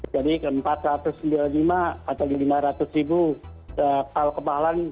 jadi ke empat ratus sembilan puluh lima atau lima ratus ribu kalau kemahalan